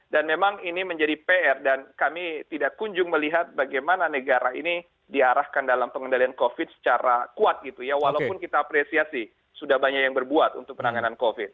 dan memang ini menjadi pr dan kami tidak kunjung melihat bagaimana negara ini diarahkan dalam pengendalian covid secara kuat gitu ya walaupun kita apresiasi sudah banyak yang berbuat untuk penanganan covid